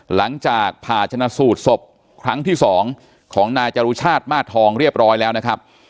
หลังจากผ่าชนะสูตรศพครั้งที่๒ของนายจรุชาติมาสทองเรียบร้อยแล้วนะครับ